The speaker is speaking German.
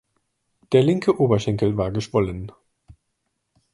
Der linke Oberschenkel war geschwollen.